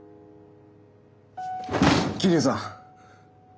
桐生さん。